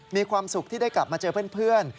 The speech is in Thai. มีความสุขที่ได้กลับมาเจอเพื่อน